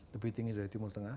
lebih tinggi dari timur tengah